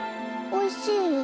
おいしい。